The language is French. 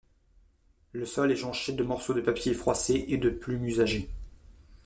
Le sol est jonché de morceaux de papier froissés et de plumes usagées.